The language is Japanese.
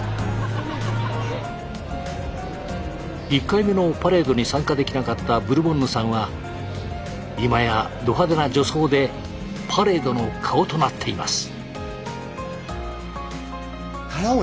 １回目のパレードに参加できなかったブルボンヌさんは今やど派手な女装でパレードの顔となっています。